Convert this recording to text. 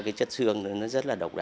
cái chất xương